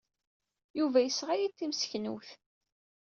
Yuba yesɣa-iyi-d timseknewt.